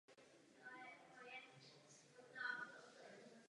Film byl na palubě sondy vyvolán a obrázky byly elektronickou cestou předávány na Zemi.